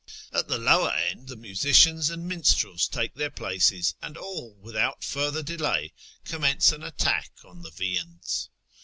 At the lower end the musicians and minstrels take their places, and all, without further delay, commence an attack on the viands.